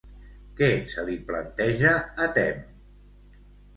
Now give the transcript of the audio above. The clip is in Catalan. Què se li planteja a Temme?